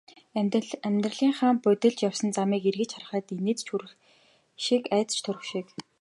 Амьдралынхаа будилж явсан замыг эргэж харахад инээд ч хүрэх шиг, айдас ч төрөх шиг.